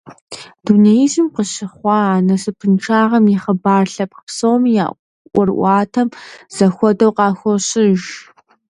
Дунеижьым къыщыхъуа а насыпыншагъэм и хъыбар лъэпкъ псоми я ӀуэрыӀуатэм зэхуэдэу къахощыж.